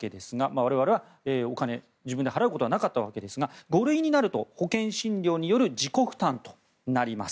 我々はお金を自分で払うことはなかったわけですが５類になると保険診療による自己負担となります。